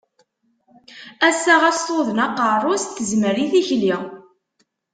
Ass-a, ɣas tuḍen aqeṛṛu-s, tezmer i tikli.